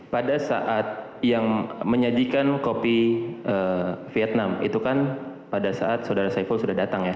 pada saat yang menyajikan kopi vietnam itu kan pada saat saudara saiful sudah datang ya